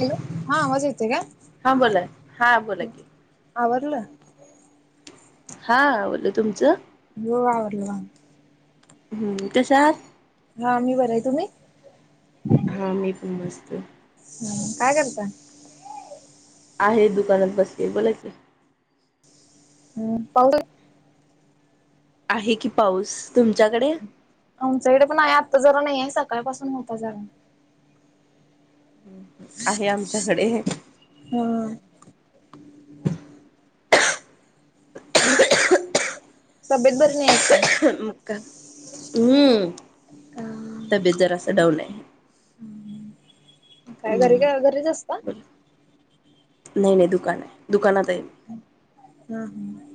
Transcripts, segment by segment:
Hello हा आवाज येते हां बोला हां बोला काय? की आवरलं? हा आवरल तुमचं? हो आवडलं. हम्म, कशा आहात? हा मी बर आहे. तुम्ही? हां मी पण मस्त. हम्म, काय करता? आहे दुकानात बसली बोला की. हम्म, पाऊस आहे की पाऊस, तुमच्याकडे? आमच्याकडे पण आहे आत्ता जरा नाही आहे सकाळपासून होता जरा. आहे आमच्याकडे. हम्म. ह तब्येत बरी नाही काय? मक्का हम्म का तब्येत जरास डाऊन आहे. काय घरी हम् काय घरीच असता नाही नाही दुकान आहे दुकानात आहे. हम्म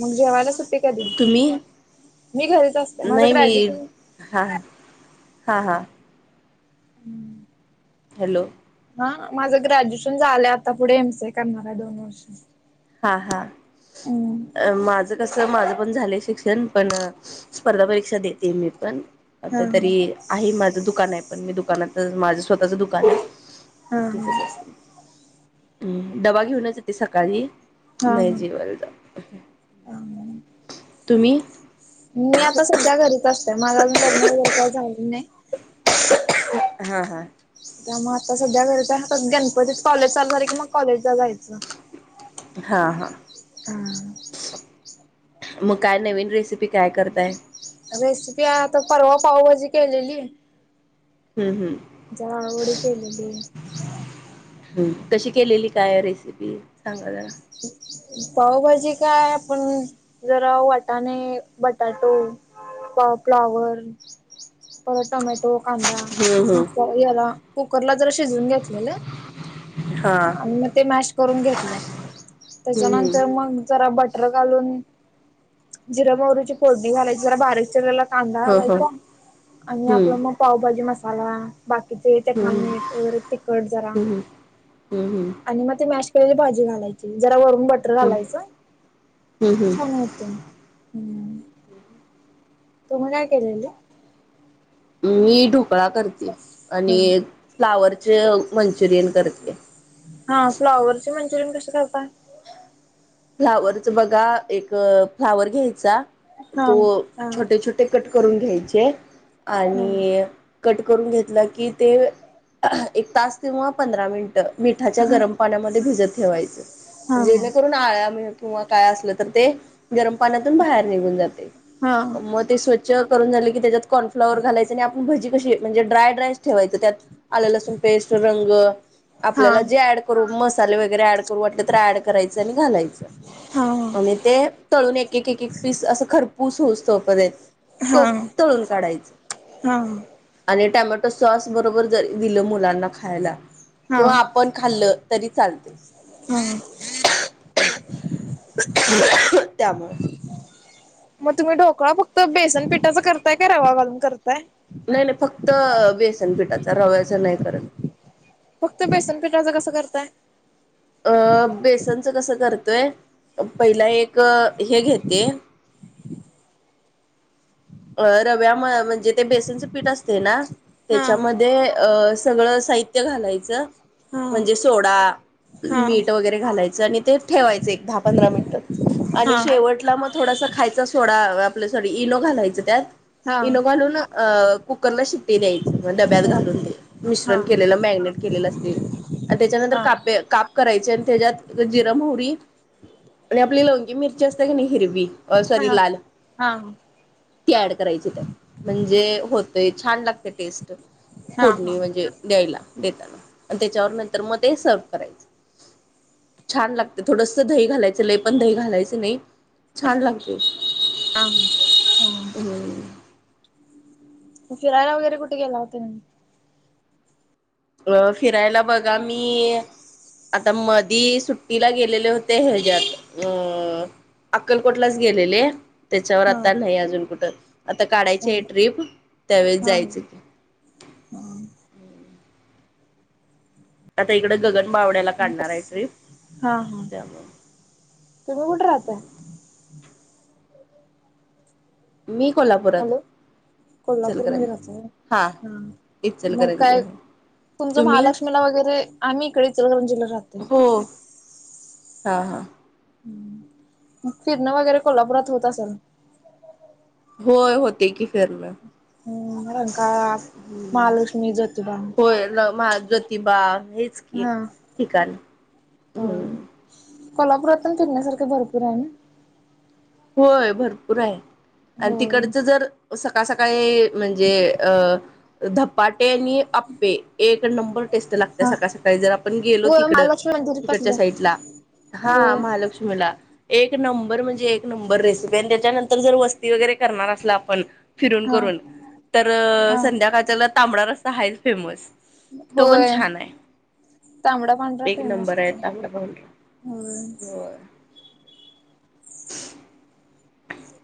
मग जेवायलाच सुट्टी कधी तुम्ही मी घरीच असते माझं ग्रॅज्युएशन हा हा हा हम्म हॅलो हा माझं ग्रॅज्युएशन झालंय आता पुढे एम सी ए करणार आहे दोन वर्षाच हा हा माझं कसं माझं पण झालं शिक्षण पण स्पर्धा परीक्षा देते मी पण हा आता हा तरी आहे माझं दुकान आहे पण मी दुकानात माझं स्वतःच दुकान आहे. हा डबा घेऊनच येते सकाळी हा नाही हा जीवा जा हा तुम्ही [unintelligible] मी आता सध्या घरीच असतंय माझं अजून लग्न वगैरे काय झालेल नाही. हा हा मग आता सध्या घरीच असते गणपतीत कॉलेज चालू झाले की मग कॉलेजला जायचं. हा हा मग काय नवीन रेसिपी काय करताय? रेसिपी आ आता परवा पावभाजी केलेली. हम्म हम्म जावडी केलेली [unintelligible] कशी केलेली काय रेसिपी सांगा जरा? पावभाजी काय आपण जरा वटाणे बटाटो फ्लाॉवर परत टोमॅटो कांदा हम्म हम्म मिक्सर याला कुकरला जर शिजून घेतलेलं हा मग ते जरा मॅश करून घेतलं हम्म त्याच्यानंतर मग जरा बटाटा घून जची फोणी झा ज बच्या वे [unintelligible] कांदा हम्म हो हो घालायचा आणि हम्म आपलं मग पावभाजी मसाला बाकीचे चटणी हम्म मीठ व तिखट जरा हम्म हम्म हम्म हम्म आणि मग ते मॅश केलेली भाजी घालायची जरा वरून बटर बटर घालायचं हम्म हम्म छान होते. तुम्ही काय केलेली? मी ढोकळा करते आणि हम्म फ्लावरचे मंचुरियन करते. हा फ्लाॉवरचे मंचुरियन कसे करत फ्लावरचा बघा एक फ्लावर घ्यायचा हा तो हा छोटे छोटे ते कट करून घ्यायचे हा आणि कट करून घेतलं की ते एक तास किवा पंधरा मिनटं मिठाच्या हा गरम पाण्यामध्ये भिजत ठेवायचं हा जेणेकरून अळ्या किंवा काय असलं तर ते गरम पाण्यातून बाहेर निघून जाते हा मग ते स्वच्छ करून झाले की त्यात कॉर्नफ्लावर घालायचे आणि आपण भजी कशी म्हणजे ड्राय ड्राय ठेवायचं त्यात आल लसून पेस्ट रंग हा हा आपल्याला जे ऍड करू मसाले वगैरे ऍड वाट तर ऍड करायचं आणि घालायचं. आणि ते तळून एक एक एक पीस असं खरपूस होउस तोपर्यंत. खप तळून काढायचं. हा हा. आणि टॅमॅटो सॉस बरोबर जरी दिलं मुलांना खायला हा किंवा पण खाल्लं तरी चालते. हम! त्यामुळे. मग तुम्ही ढोकळा फक्त बेसन पीठाचा करताय का रवा घालून करताय? नाही नाही फक्त अ बेसन पिठाचा रव्याचा नाही करत. फक्त बेसनपीठाचं कसं करताय? अ बेसनचं कसं करतोय पहिला एक हे घेते. अ रव्या म-म्हणजे ते बेसनचं पीठ असते ना हा त्याच्याम ध्ये अ सगळं साहित्य घालायचं हा म्हणजे सोडा, हा मीठ वगैरे घालायचं आणि ते ठेवायचं एक दहा पंधरा मिनिट हा आणि शेवटला मग थोडसा खायचा सोडा आपल्या सॉरी इनो घालायचं त्यात. हा हा इनो घालून अ कुकरला शिट्टी द्यायच म डब्यात घालून ते, हा मिश्रण केलेलं मॅगनेट केलेलं असतील आणि त्याच्यानंतर कापे- काप करायचे आणि त्याच्यात जिरं मोहरी आणि आपली लवंगी मिरची असते क नाही हिरवी हं सॉरी लाल हा! ती ऍड करायची त्या म्हणजे होतय छान लागते टेस्ट. फोडणी म्हणजे द्यायला -देतानाआणि त्याच्यावर नंतर मग ते सर्व करायचं. छान लागते थोडस दही घालायचं लही पण दही घालायच नाही छान लागते. हा! आणि फिरायला वगैरे कुठे गेला होता का नाही? अ फिरायला बघा मी! आता मधी सुट्टीला गेलेले होते हच्या्यात अ अक्कलकोटलाच गेलेले. त्याच्यावर हा आता नाही अजून कुठं आता काढायची हा आहे ट्रिप त्यावेळेस जायचं. हम! आता इकडं गगन बावड्याला काढणार आहे ट्रिप हा हा त्यामुळे तुम्ही कुठे राहताय? मी कोल्हापुरात. कोल्हापूर मध्ये इचलकरंजी राहताय हा होय मग इचलकरंजी काय? आहे तुमचं तुम्ही महालक्ष्मीला वगैरे आम्ही इकडे इचलकरंजी ला राहतोय. हो हा हा! मग फिरणं वगैरे कोल्हापुरात होत असल? होय होते की. फिरणार हम्म रंकाळा, हम महालक्ष्मी, ज्योतिबा होय ना माझं. किं बा हेच की हा ठिकाण होय हम्म. कोल्हापुरात पण फिरण्यासारखे भरपूर आहे नयी. होय भरपूर आहे आणि होय तिकडचं जर सकाळ सकाळी म्हणजे अ धपाटे आणि आप्पे एक त नंबर टेस्ट लागत हा सकाळ सकाळी जर आपण गेलो होय तिकड महालक्ष्मी मंदिर तिकडच्या पासलं साईड ला. हा होय महालक्ष्मीला एक नंबर म्हणजे एक नंबर रेसिपी आणि त्याच्यानंतर जर वस्ती वगैरे करणार असला आपण फिरून हा करून तर हा संध्याकाळच्याला तांबडा रस्सा हायेच फेमस. तो पण होय. छान आहे. तांबडा पांढरा एक नंबर फेमसच आहे ये, तांबडा पांढरा होय. होय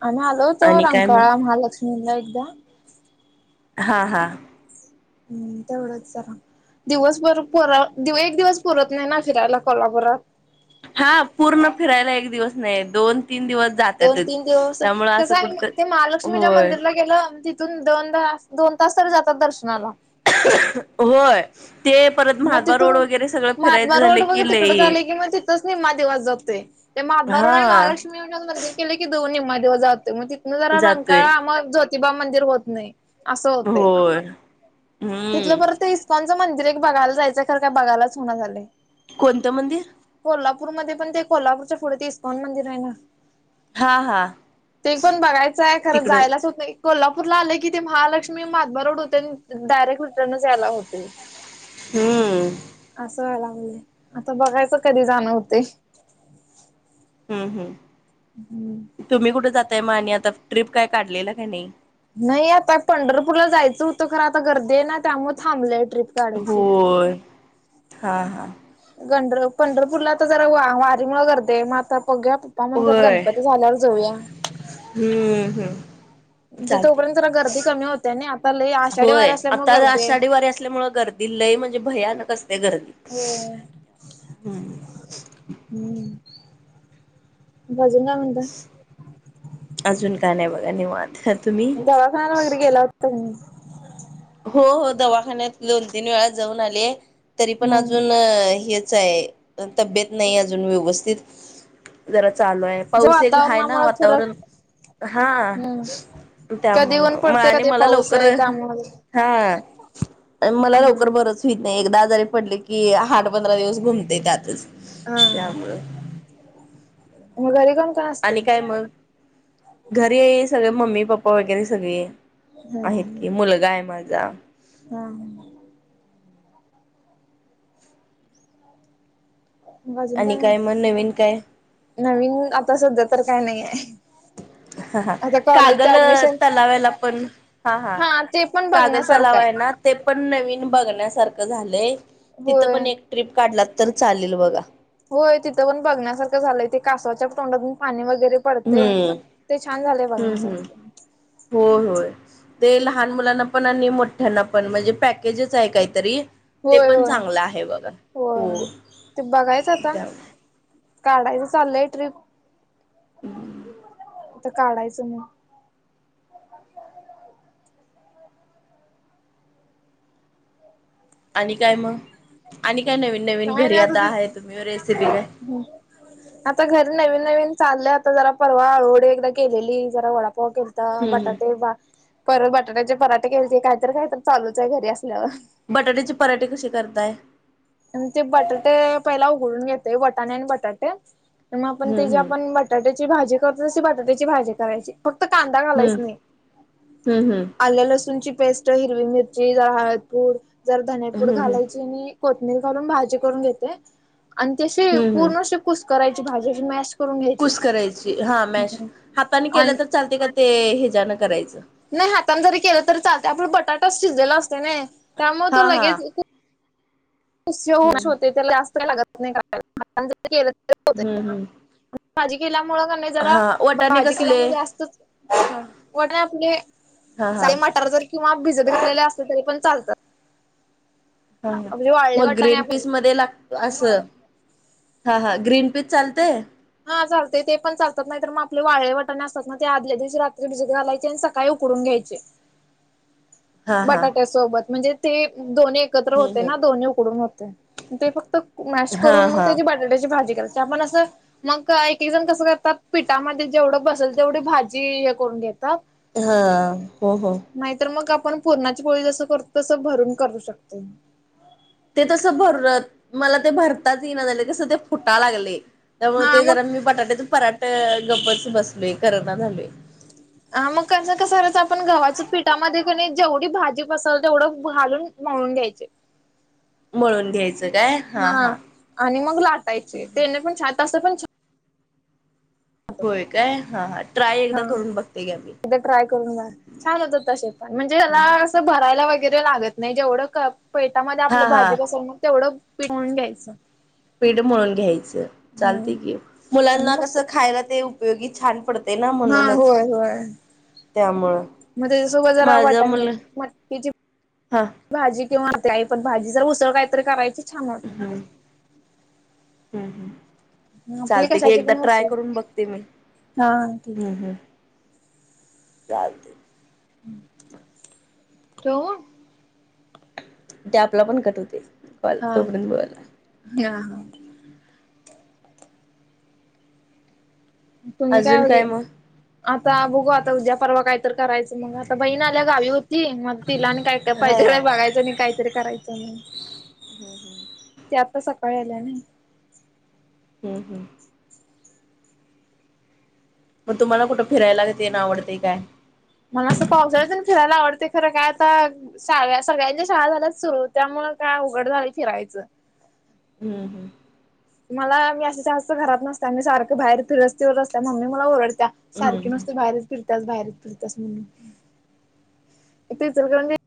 आम्ही आलो होतो आणि काय मग रंकाळा महालक्ष्मीला एकदा हा हा हमम तेवढंच जरा दिवसभर-भर एक दिवस पुरत नाही ना फिरायला कोल्हापुरात. हा पूर्ण फिरायला एक दिवस नाही दोन तीन दिवस दोन जातातच तीन दिवस त्यामुळं असं कसं आहे कुठत ते महालक्ष्मीच्या होय मंदिरला गेलो तिथून दोनदा दोन तास तरी जातात दर्शनाला. होय ते परत मग महादबा रोड तिथून वगैरे सगळं महात्बा फिरायचं रोड झालं बघ की तिकड लई झाले की मग तिथंच निम्मा दिवस जातोय. ते महात्बा रोड आणि हा महालक्ष्मी म्हणून मंदिर केलय की दोन निम्मा दिवस जातो मग तिथनं जरा जातोय रंकाळा मग ज्योतिबा मंदिर होत नाही. असं होतेय होय तिथलं परत हम्म इस्कॉनचं मंदिर एक बघायला जायचं खर काय बघायलाच होईना झालंय. कोणतं मंदिर? कोल्हापूरमध्ये पण ते कोल्हापूरच्या पुढे ते इस्कॉन मंदिर आहे ना हा हा ते पण बघायचं आहे खरं तिकड जायलाच होत नाही. कोल्हापूरला आले कि ते महालक्ष्मी, महात्बा रोड होते आणि डायरेक्ट रिटनच यायला होतय. हमम. असं व्हायला लागलंय आता बघायचं कधी जाणं होतय. हमम हम. हमम. तुम्ही कुठे जाताय म आणि आता ट्रिप काय काढलेलं का नाही? नाही आता पंढरपूरला जायचं होतं खरं आता गर्दी आहे ना त्यामुळे थांबलंय ट्र्रीप काढायची होती. हां हा.. गंढर पंढरपूरला तर जरा वारीमुळे गर्दी ये मग आता बघुया पप्पा म्हणतात होय गणपती झाल्यावर जाऊया. हम्म हम्म म्हणजे चालते तोपर्यंत ना गर्दी कमी होतेय ना आता लई आषाढी होय वऱ्या असल्यामुळे गर्दीये. दिल्लय म्हणजे भयानक असते गर्दी होय हम्म. हमम. मग आजून काय म्हणताय? अजून काय नाही बघा निवांत. तुम्ही? दवाखान्याला वगैरे गेला होता [unintelligible] हो हो दवाखान्यात दोन तीन वेळा जाऊन आले. तरी पण हम्म अजून हेच आहे तब्येत नाही अजून व्यवस्थित जरा चालू आहे जे पाऊस एक हाय ना वातावरणामुळे फरक वातावरण हा हम्म कधी त्यामुळ ऊन म पडते आणि कधी मला पाऊस लवकर आहे त्यामुळे हा.. ला हम्म लवकर बघ बरच होईत नाही एकदा आजारी पडले की आठ पंधरा दिवस घुमते त्यातच हा.. त्यामुळं मग घरी कोण कोण् आणि असते. काय मग? घरी सगळे मम्मी पप्पा वगैरे सगळे आहेत हम्म की मुलगा आहे माझा. हा, मग अजून काय आणि म्हणते. मग नवीन काय हा हा कागल तलावाला पण हा हा ते पण कागल बघण्यासारखं तलावा आहे ना. ते पण नवीन बघण्यासारखं झालंय तिथं होय. पण एक ट्र्रीप काढला तर चालेल बघा. होय तिथं पण बघण्यासारखं झालंय ते कासवाच्या तोंडातून पाणी वगैरे. पडते हम्म ते छान झाले हम्म हम्म बघण्यासारखे. होय होय. ते लहान मुलांना पण आणि मोठ्यांना पण म्हणजे पॅकेजच आहे काहीतरी. ते होय पण होय चांगलं आहे बघा हो होय ते बघायचं आता. त्या काढाच चालयट ट्रीप. ह [inaudible] आता काढायचं मग. आणि काय मग आणि काय नवीन नवीन घरी आता आहे तुम्ही रेसिपी का. हम. आता घरी नवीन नवीन चालले आता जरा परवा आळूहळी एकदा केलेली जरा वडापावा केली. हम्म हम्म. बटाटे बा पर बटाट्याचे पराटे केलेते काहीतरी काही तर चालूच आहे घरी असल्यावर. बटाट्याचे पराठे कसे करताय. ते बटाटे पहिला उघडून घेते बटाणे आणि बटाटे मग आपण ते हम्म जे आपण हम्म ब''--'' बटाट्याची भाजी करतो तशी बटाट्याची भाजी करायची. फक्त कांदा घालायच नाही हम्म हम्म हम्म आल्या लसूणची पेस्ट. त हिरवी मिरची जर हळदपुड जर धनेपूड हम्म हम्म घालायची आणि. कोथींबीर घालून भाजी करून घेते आणि ती हम्म हम्म. पूर्णशी कुसकरायची भाजी अशी मॅश. करून घ्यायची कुश करायची हा मॅश हाताने आणि केलं तर चालते का ते हच्यान करायचं. नाही हातात जरी केलं तरी चालत आपण बटाटाच शिजलेला असत ना त्यामुळे तो हा हा. लगेच. श हम्म होते त्याला जास्त काही [inaudible] लागत नाहीला हम्म हम्म. माझी केल्यामुळ का नाहीत. जरा हा वटाणे भाजी केल्या कसले म जास्तच वाट ना आपले. हा हा साई मटार जर किंवा भिजत घातलेले असले तरी पण चालतात. हा म्हणजे वाळले मग वाटाणे ग्रीन आपण पीस मध्ये लाग''--'' असं हा हा ग्रीन पीज चालतय. हा चालते ते पण चालत नाही तर मग आप वाळे वाटाणे असतात ना ते आदल्या दिवशी रात्री भिजत घालायचे आणि सकाळी उकडून घ्यायचे. चे, हा हा बटाट्यासोबत म्हणजे ते दोन् एकत्र हम्म होते ना हम्म दोन्ही उकडून होतेय. ते फक्त मॅश हा करून मग हा त्याची बटाट्याची भाजी करायची आपण असं मग एकजण कसं कर. तात पिठामध्ये जेवढं बसेल तेवढी भाजी हे करून घेतात. हा हो हो, नाहीतर मग आपण पूरणाची पोळी जस करतो तसं भरून करू शकते. ते तसं भरत मला ते भरताच येई ना झाले कसं ते फुटा लागलय. त्यामुळे हा ते मग जरा मी बटाट्यातून पराठ गप्पच बसलो करना झाले. हा मग कसं कसं करायचं आपण गव्हाच्या पीठामध्य क नाय जेवढी भाजी पसरल तेवढं घालून. मऊून घयचे. म्हणून घ्यायचं काय हा हा. आणि मग लाटायचे ते पण छात असं पण छ''--'' होय काय हा हा ट्राय छान एकदा हा करून बघते घ्या ते. एकदा ट्राय करून बा छान होतं तसे पण, म्हणजे याला असं भरायला वगैरे लागत नाही जेवढं कप पेतामध्ये हा आपलं हा भाजी बसल ना तेवढं पिट मळून घ्यायचं. पीठ म्हळून घ्यायचं हम्म चालते की आणि मुलांना मग कसं खायला ते उपयोगी छान पडते ना हा म्हणूनच होय, होय! त्यामुळं म त्याच्यासोबत जरा माझा वाटाने मुल मटकीची हा भाजी किंवा होत आहे, पण भाजी जर उसळ कायतरी करायची? छान होते हूं हूं हूं! आपली चालते की कशाची एकदा पण ट्राय उसळ करून बघते मी हा ठीक हूं आहे हूं. चालत. ठेऊ. ते आपला पण कट होतय कॉल तोपर्यंत बोला. यां! तुम्ही अजून काय वगैरे म? आता बघू आता उद्या परवा काय तर करायचं मग, आता बहीण आल्या गावी होती मग. तिला आणि काय, काय हा पाहिजे हा ते बघायचं नी काही तरी कराय ती आता सकाळी आल्या न. हूं हूं! म तुम्हाला कुठं फिरायला तेन आवडतेय काय? म असं पावसाळ्यातूण फिरायला आवडते खरं काय आता साळव्या, सगळ्यांच्या शाळा झाल्यात सुरू, त्यामुळ काय आवघड झालं फिरायचं. हूं हूं! मला मी असं जास्त घरात नसत्यां, आणि सारखं बाहेर फिरस्तीवर असत्यां मम्मी मला ओरडत्यां. हम्म सारखे नुसते बाहेरच फिरतास, बाहेरच फिरतास म्हणून ति चलकरंजी.